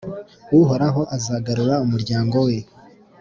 Uhoraho azagarura umuryango we